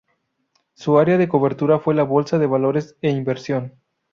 Su área de cobertura fue la Bolsa de Valores e Inversión.